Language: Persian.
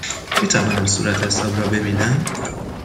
می توانم صورتحساب را ببینم؟